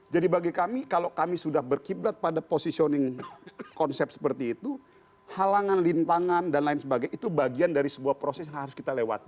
jadi bagi kami kalau kami sudah berkiblat pada posisioning konsep seperti itu halangan lintangan dan lain sebagainya itu bagian dari sebuah proses yang harus kita lewati